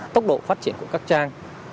tốc độ phát triển của các trang